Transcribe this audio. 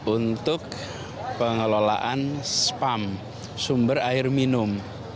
untuk pengelolaan spam sumber air minum